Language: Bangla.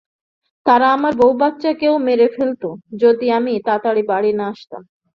তারা আমার বউ বাচ্চাকেও মেরে ফেলত যদি আমি তাড়াতাড়ি বাড়ি না আসতাম।